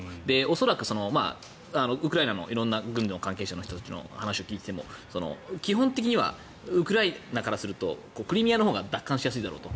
恐らくウクライナの色んな軍の関係者の人たちの話を聞いていても基本的にはウクライナからするとクリミアのほうが奪還しやすいだろうと。